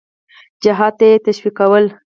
جهاد ته یې تشویقول.